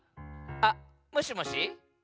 あっもしもし。